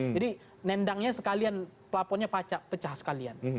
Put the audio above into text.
jadi nendangnya sekalian pelaponnya pecah sekalian